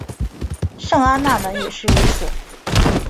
圣安娜门也是如此。